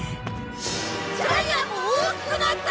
ジャイアンも大きくなった！！